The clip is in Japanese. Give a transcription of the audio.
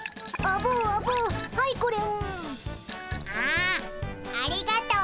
あありがとう。